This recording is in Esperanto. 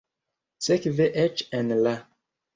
Sekve eĉ en la.